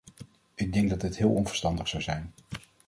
Ik denk dat dit heel onverstandig zou zijn.